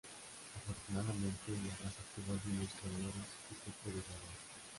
Afortunadamente, la raza tuvo algunos criadores y se pudo salvar.